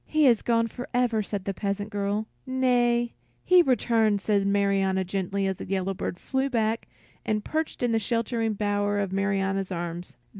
"He is gone forever," said the peasant girl. "Nay, he returns," said Marianna, gently, as the yellow bird flew back and perched in the sheltering bower of Marianna's arms.